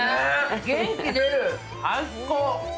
元気出る、最高！